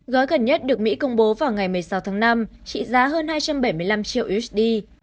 gói gần nhất được mỹ công bố vào ngày một mươi sáu tháng năm trị giá hơn hai trăm bảy mươi năm triệu usd